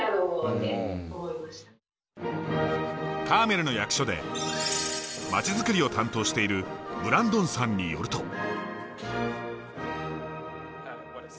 カーメルの役所で街づくりを担当しているブランドンさんによると。